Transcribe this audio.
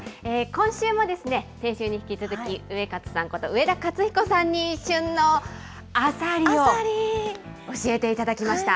今週もですね、先週に引き続き、ウエカツさんこと、上田勝彦さんに旬のアサリを教えていただきました。